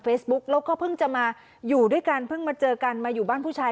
แล้วก็เพิ่งจะมาอยู่ด้วยกันเพิ่งมาเจอกันมาอยู่บ้านผู้ชาย